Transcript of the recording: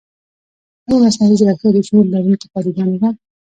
ایا مصنوعي ځیرکتیا د شعور لرونکې پدیده نه ده؟